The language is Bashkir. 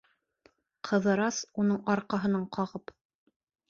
Ҡыҙырас, уның арҡаһынан ҡағып: